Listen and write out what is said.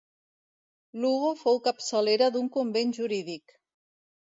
Lugo fou capçalera d'un convent jurídic.